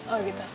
oh gitu ya